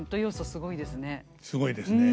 すごいですねはい。